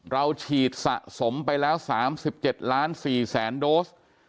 เราฉีดสะสมไปแล้ว๓๗๔๐๐๐๐๐โดส